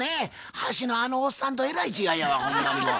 端のあのおっさんとえらい違いやわほんまにもう。